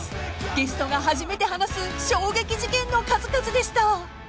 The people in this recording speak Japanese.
［ゲストが初めて話す衝撃事件の数々でした］